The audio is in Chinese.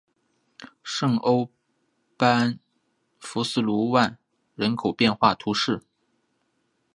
圣欧班福斯卢万人口变化图示